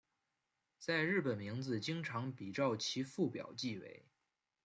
在日本名字经常比照其父表记为。